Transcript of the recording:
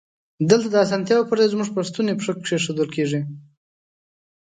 دلته د اسانتیاوو پر ځای زمونږ په ستونی پښه کېښودل کیږی.